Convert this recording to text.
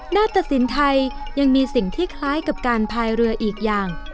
หน้าตสินไทยยังมีสิ่งที่คล้ายกับการพายเรืออีกอย่าง